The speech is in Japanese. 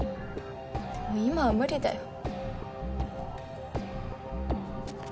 でも今は無理だよ。